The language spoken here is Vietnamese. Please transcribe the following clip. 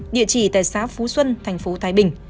địa chỉ tại xã phú xuân tp thái bình